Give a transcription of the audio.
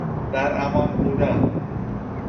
در امان بودن